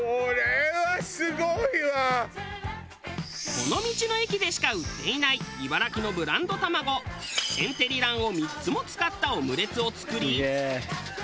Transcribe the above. この道の駅でしか売っていない茨城のブランド卵天てり卵を３つも使ったオムレツを作り。